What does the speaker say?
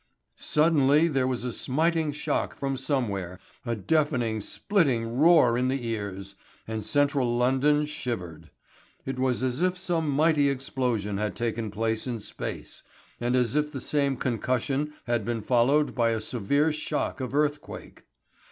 Suddenly there was a smiting shock from somewhere, a deafening splitting roar in the ears, and central London shivered. It was as if some mighty explosion had taken place in space, and as if the same concussion had been followed by a severe shock of earthquake.